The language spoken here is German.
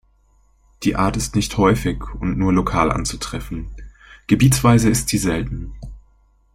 Die Art ist nicht häufig und nur lokal anzutreffen, gebietsweise ist sie selten.